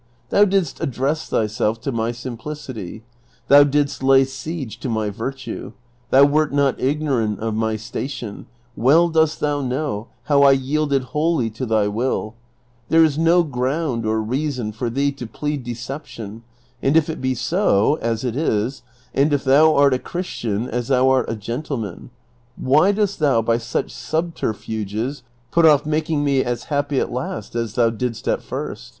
Thou didst address thyself to my sim plicity, thou didst lay siege to my virtue, thou wert not igno rant of my station, well dost thou know how I yielded wholly to thy will ; there is no ground or reason for thee to plead de ception, and if it be so, as it is, and if thou art a Christian as thou art a gentleman, why dost thou by such subterfuges put oft' making me as happy at last as thou didst at first